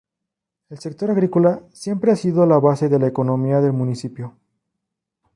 El sector agrícola siempre ha sido la base de la economía del municipio.